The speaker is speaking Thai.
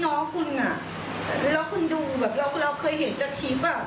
เราเห็นภาพเราเห็นภาพตั้งที่เจษฐีที่ว่าเขาชนเขามาแบบเขาไม่ได้ย้ำเลยอ่ะ